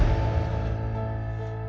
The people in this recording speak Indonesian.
nih ini udah gampang